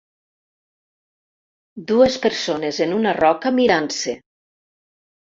Dues persones en una roca mirant-se.